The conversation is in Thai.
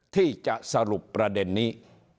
ที่จะสรุปประเด็นนี้